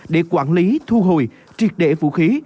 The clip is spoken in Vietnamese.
để quản lý thu hồi triệt đệ vũ khí